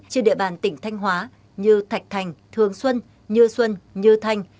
trên địa bàn tỉnh thanh hóa như thạch thành thường xuân như xuân như thanh